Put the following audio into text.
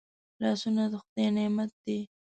لاسونه د خدای نعمت دی